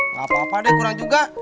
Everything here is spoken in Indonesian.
gak apa apa deh kurang juga